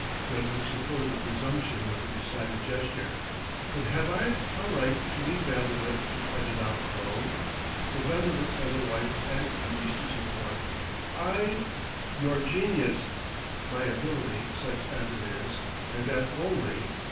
Brentwick supported the presumption with a decided gesture. "But have I a right to leave Vanderlip to fight it out alone? For Vanderlip has a wife and kiddies to support; I " "Your genius!" "My ability, such as it is and that only.